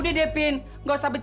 jadi abie gak takut